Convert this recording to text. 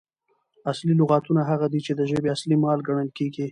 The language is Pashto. اصلي لغاتونه هغه دي، چي د ژبي اصلي مال ګڼل کیږي.